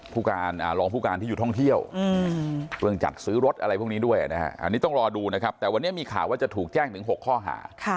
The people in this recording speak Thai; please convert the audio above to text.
รองผู้การที่อยู่ท่องเที่ยวเรื่องจัดซื้อรถอะไรพวกนี้ด้วยนะฮะอันนี้ต้องรอดูนะครับแต่วันนี้มีข่าวว่าจะถูกแจ้งถึง๖ข้อหา